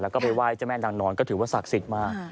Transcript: แล้วก็ไปไหว้เจ้าแม่นางนอนก็ถือว่าศักดิ์สิทธิ์มาก